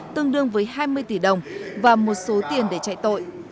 tương đương với hai mươi tỷ đồng và một số tiền để chạy tội